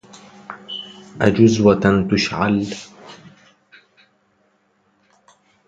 أجذوة تشعل